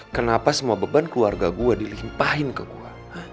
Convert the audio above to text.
kenapa semua beban keluarga gue dilimpahin ke gua